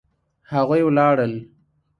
هغوی ولاړل